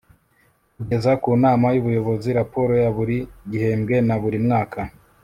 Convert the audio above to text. kugeza ku nama y'ubuyobozi raporo ya buri gihembwe na buri mwaka